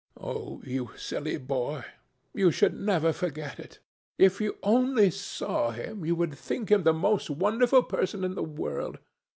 Oh! you silly boy! you should never forget it. If you only saw him, you would think him the most wonderful person in the world.